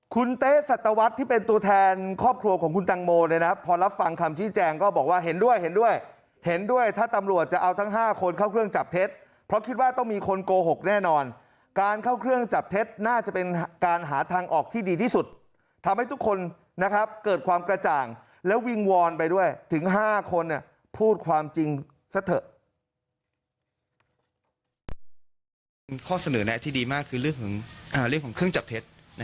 คุณเต๊สัตวรรษที่เป็นตัวแทนครอบครัวของคุณตังโมเนี่ยนะพอรับฟังคำชี้แจงก็บอกว่าเห็นด้วยเห็นด้วยเห็นด้วยถ้าตำรวจจะเอาทั้ง๕คนเข้าเครื่องจับเท็จเพราะคิดว่าต้องมีคนโกหกแน่นอนการเข้าเครื่องจับเท็จน่าจะเป็นการหาทางออกที่ดีที่สุดทำให้ทุกคนนะครับเกิดความกระจ่างแล้ววิงวอนไปด้วยถึง๕คนพูดความจริงซะเถอะ